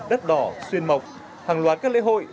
đất đỏ xuyên mộc hàng loạt các lễ hội